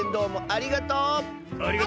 ありがとう！